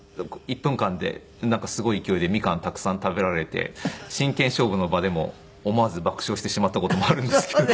１分間でなんかすごい勢いでみかんたくさん食べられて真剣勝負の場でも思わず爆笑してしまった事もあるんですけど。